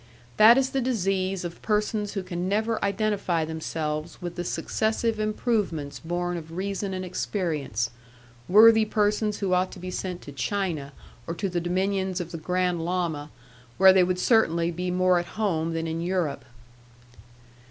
That is the disease of persons who can never identify themselves with the successive improvements born of reason and experience; worthy persons who ought to be sent to China, or to the dominions of the Grand Lama, where they would certainly be more at home than in Europe.